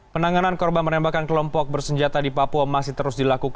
penangganan korban menembakan kelompok bersenjata di papua